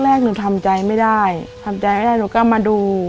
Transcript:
แรกหนูทำใจไม่ได้ทำใจไม่ได้หนูก็มาดู